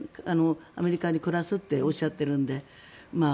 アメリカで暮らすとおっしゃっているので。